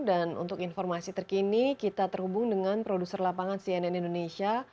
dan untuk informasi terkini kita terhubung dengan produser lapangan cnn indonesia